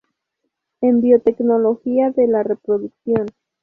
En: Biotecnología de la Reproducción.